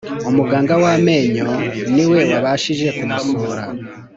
umuganga w amenyo niwe wabashije kumusura